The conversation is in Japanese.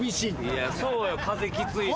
いやそうよ風きついし。